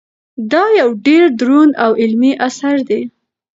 دا یو ډېر دروند او علمي اثر دی.